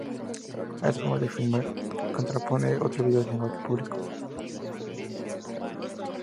A esta forma de filmar, contrapone otro vídeo, "Lenguaje público".